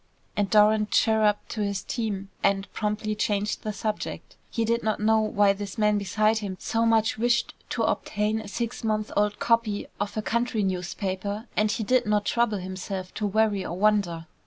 And Doran chirrupped to his team and promptly changed the subject. He did not know why this man beside him so much wished to obtain a six months old copy of a country newspaper, and he did not trouble himself to worry or wonder.